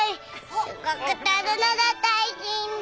すごく採るのが大変だ。